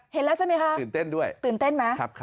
เห็นแล้วใช่ไหมคะตื่นเต้นด้วยตื่นเต้นไหม